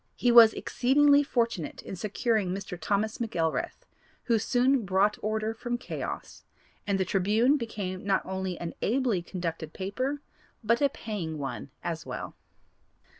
He was exceedingly fortunate in securing Mr. Thomas McElrath, who soon brought order from chaos, and the Tribune became not only an ably conducted paper but a paying one as well.